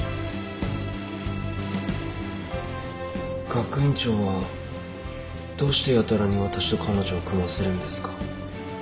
学院長はどうしてやたらに私と彼女を組ませるんですか？